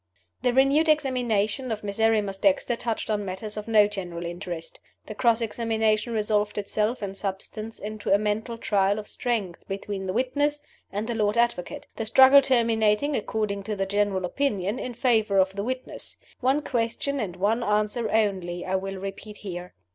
The renewed examination of Miserrimus Dexter touched on matters of no general interest. The cross examination resolved itself, in substance, into a mental trial of strength between the witness and the Lord Advocate; the struggle terminating (according to the general opinion) in favor of the witness. One question and one answer only I will repeat here.